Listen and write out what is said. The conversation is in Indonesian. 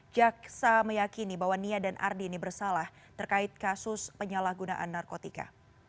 jaksa meyakini bahwa nia dan ardi ini bersalah terkait kasus penyalahgunaan narkotika